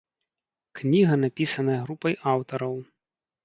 Кніга напісаная групай аўтараў.